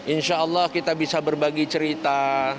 insya allah kita bisa berbagi cerita